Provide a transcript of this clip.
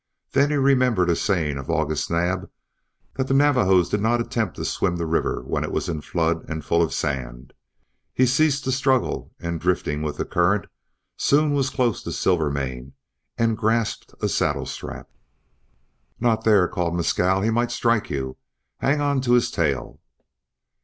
Then he remembered a saying of August Naab that the Navajos did not attempt to swim the river when it was in flood and full of sand. He ceased to struggle, and drifting with the current, soon was close to Silvermane, and grasped a saddle strap. "Not there!" called Mescal. "He might strike you. Hang to his tail!"